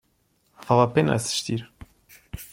Vale a pena assistir